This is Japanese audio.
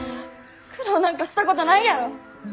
苦労なんかしたことないやろ！